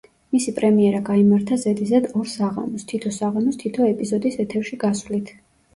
მისი პრემიერა გაიმართა ზედიზედ ორ საღამოს, თითო საღამოს თითო ეპიზოდის ეთერში გასვლით.